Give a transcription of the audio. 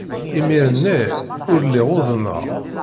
Imir-nni ur lliɣ uḍneɣ.